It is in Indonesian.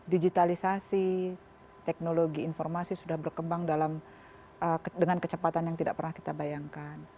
digitalisasi teknologi informasi sudah berkembang dengan kecepatan yang tidak pernah kita bayangkan